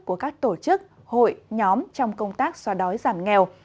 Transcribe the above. của các tổ chức hội nhóm trong công tác xóa đói giảm nghèo